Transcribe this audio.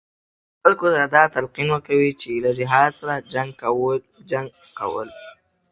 خلکو ته دا تلقین ورکوي چې له جهالت سره جنګ کول.